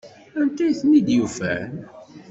Anta ay ten-id-yufan?